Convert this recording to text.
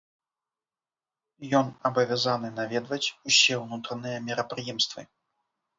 Ён абавязаны наведваць усе ўнутраныя мерапрыемствы.